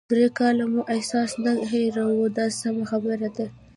درې کاله مو احسان نه هیروي دا سمه خبره ده.